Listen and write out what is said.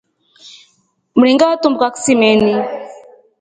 Mringa watumbuka kisimeni.